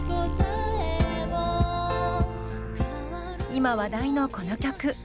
今話題のこの曲。